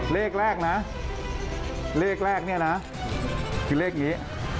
เลขแรกนะเลขแรกเนี่ยนะคือเลขนี้